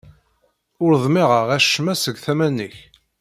Ur ḍmiɛeɣ acemma seg tama-nnek.